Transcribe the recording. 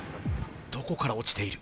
どこから落ちている。